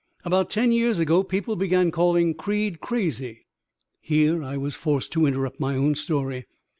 "About ten years ago people began calling Creed crazy." Here I was forced to interrupt my own story.